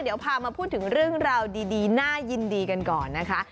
เดี๋ยวพามาพูดถึงเรื่องราวดีน่ายินดีกันก่อนนะคะ